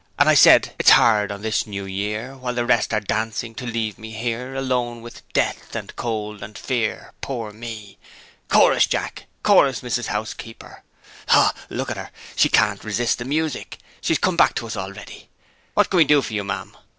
And I said, It's hard, on this New Year, While the rest are dancing to leave me here, Alone with death and cold and fear Poor me! "Chorus, Jack! Chorus, Mrs. Housekeeper! Ho! ho! look at her! She can't resist the music she has come back to us already. What can we do for you, ma'am?